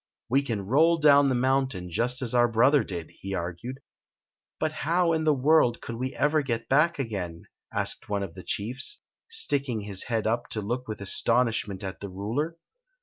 " AVe can roll down the mountain just as our brother did, he argued. " But how in the world could we ever get back again?" said one of the chiefs, sticking his head up to look with astonishment at the ruler.